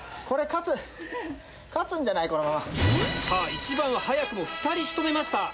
１番早くも２人仕留めました。